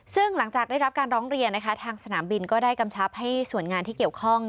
ซึ่งหลังจากได้รับการร้องเรียนนะคะทางสนามบินก็ได้กำชับให้ส่วนงานที่เกี่ยวข้อง